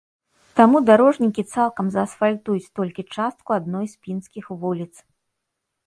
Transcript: Таму дарожнікі цалкам заасфальтуюць толькі частку адной з пінскіх вуліц.